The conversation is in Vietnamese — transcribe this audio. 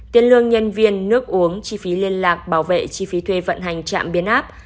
tiền lương nhân viên nước uống chi phí liên lạc bảo vệ chi phí thuê vận hành trạm biến áp